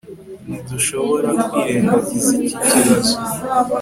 ntidushobora kwirengagiza iki kibazo